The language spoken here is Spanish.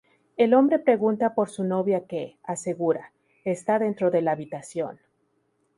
El hombre pregunta por su novia que, asegura, está dentro de la habitación.